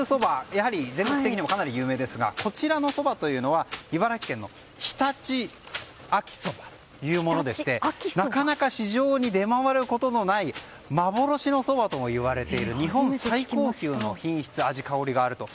やはり全国的にかなり有名ですがこちらのそばというのは茨城県の常陸秋そばというものでなかなか市場に出回ることのない幻のそばとも言われている日本最高級の品質、味、香りがある。